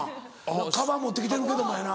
カバン持って来てるけどもやな。